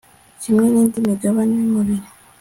kimwe nindi migabane yumubiri